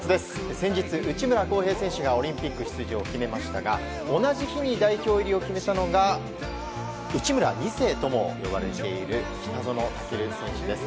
先日、内村航平選手がオリンピック出場を決めましたが同じ日に代表入りを決めたのが内村２世とも呼ばれている北園丈琉選手です。